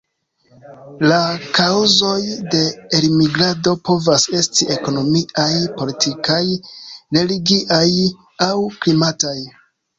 La kaŭzoj de elmigrado povas esti ekonomiaj, politikaj, religiaj aŭ klimataj.